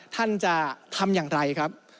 ท่านจะทำอย่างไรครับ